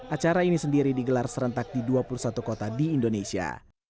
acara ini sendiri digelar serentak di dua puluh satu kota di indonesia